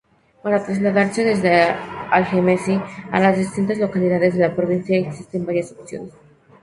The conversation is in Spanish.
Para trasladarse desde Algemesí a las distintas localidades de la Provincia, existen varias opciones.